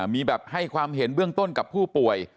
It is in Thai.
มีแบบให้ความเห็นเบื้องต้นกับผู้ป่วย